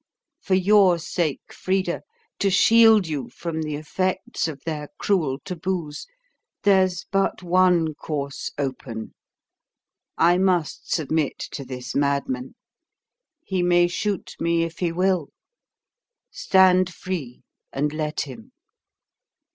For your sake, Frida, to shield you from the effects of their cruel taboos, there's but one course open: I must submit to this madman. He may shoot me if he will.... Stand free, and let him!"